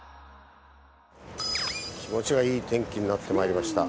気持ちがいい天気になってまいりました。